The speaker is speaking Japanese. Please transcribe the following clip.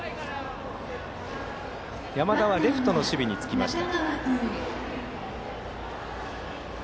山田はレフトの守備につきました。